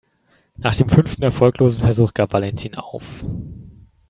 Nach dem fünften erfolglosen Versuch gab Valentin auf.